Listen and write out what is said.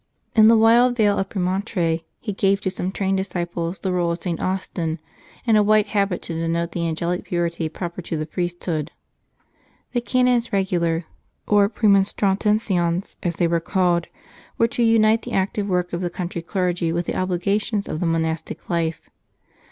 In the wild vale of Premontre he gave to some trained disciples the rule of St. Austin, and a white habit to denote the angelic purity proper to the priesthood. The Canons Eegular, or Pr&moiistratenslcins, as they were called, were to unite the active work of the country clergy with the obligations of the monastic life.